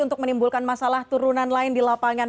untuk menimbulkan masalah turunan lain di lapangan